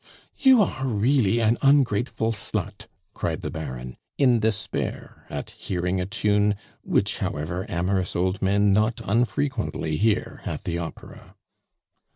"You are really an ungrateful slut!" cried the Baron, in despair at hearing a tune, which, however, amorous old men not unfrequently hear at the opera.